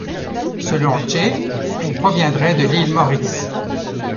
Selon Cheke, elle proviendrait de l'île Maurice.